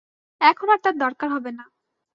এখন আর তার দরকার হবে না।